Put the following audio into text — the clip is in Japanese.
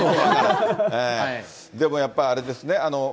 でもやっぱり、あれですね。